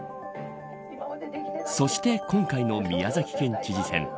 そして今回の宮崎県知事選。